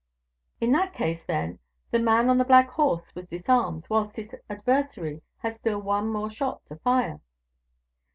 "In that case, then, the man on the black horse was disarmed, whilst his adversary had still one more shot to fire?"